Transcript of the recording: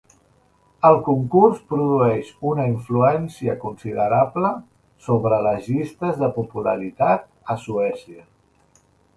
El concurs produeix una influència considerable sobre les llistes de popularitat a Suècia.